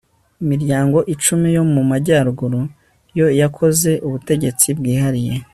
imiryango icumi yo mu majyaruguru yo yakoze ubutegetsi bwihariye